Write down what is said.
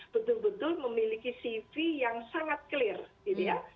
betul betul memiliki cv yang sangat clear gitu ya